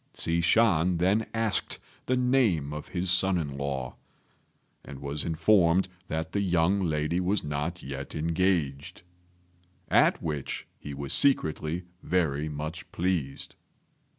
Hsi Shan then asked the name of his son in law, and was informed that the young lady was not yet engaged, at which he was secretly very much pleased.